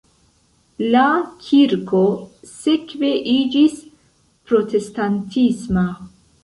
La kirko sekve iĝis protestantisma.